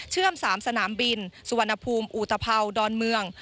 เชื่อม๓สนามบินสวรรณภูมิอุตภัวร์ดอนเมือง